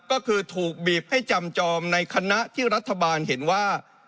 ก็คือถูกบีบให้จำจอมในคณะที่รัฐบาลเห็นว่า